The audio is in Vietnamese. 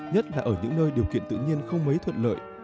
nhất là ở những nơi điều kiện tự nhiên không mấy thuận lợi